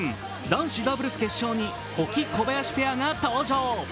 男子ダブルス決勝に保木・小林ペアが登場。